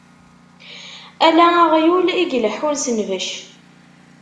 Ala aɣyul, i yeleḥḥun s nnbec.